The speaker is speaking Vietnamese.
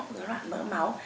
dối loạn mỡ máu